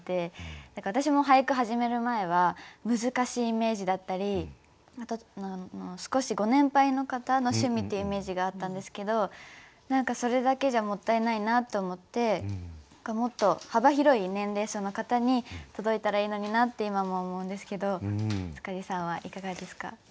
私も俳句始める前は難しいイメージだったりあと少しご年配の方の趣味っていうイメージがあったんですけど何かそれだけじゃもったいないなって思ってもっと幅広い年齢層の方に届いたらいいのになって今も思うんですけど塚地さんはいかがですか？